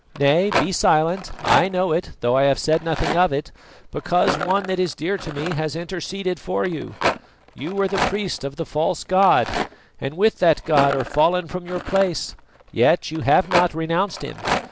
Nay, be silent; I know it, though I have said nothing of it because one that is dear to me has interceded for you. You were the priest of the false god, and with that god are fallen from your place, yet you have not renounced him.